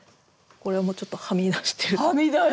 これもちょっとはみ出してる！